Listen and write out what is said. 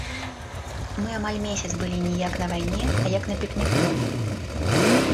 Мы амаль месяц былі не як на вайне, а як на пікніку.